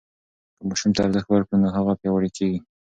که ماشوم ته ارزښت ورکړو نو هغه پیاوړی کېږي.